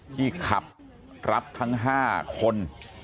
ที่ขับรับทั้ง๕คน